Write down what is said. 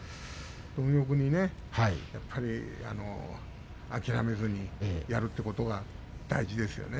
貪欲に諦めずにやるということが大事ですよね。